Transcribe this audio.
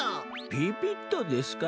ピピッとですか？